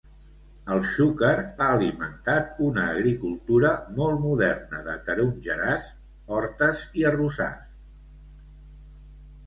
El Xúquer ha alimentat una agricultura molt moderna de tarongerars, hortes i arrossars.